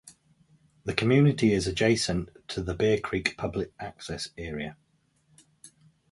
The community is adjacent to the Bear Creek Public Access area.